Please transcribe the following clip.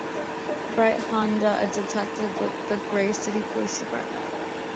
Bright Honda: A detective with the Gray City Police Department.